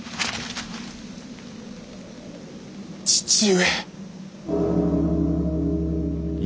父上！